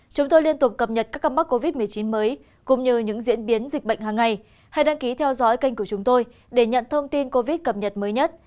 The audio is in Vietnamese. các bạn hãy đăng ký kênh của chúng tôi để nhận thông tin cập nhật mới nhất